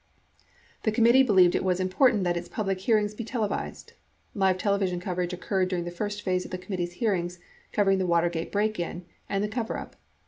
The committee believed it was important that its public hearings be televised. Live television coverage occurred during the first phase of the committee's hearings covering the Watergate break in and the coverup.